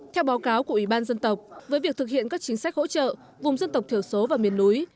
theo báo cáo của ủy ban dân tộc với việc thực hiện các chính sách hỗ trợ vùng dân tộc thiểu số và miền núi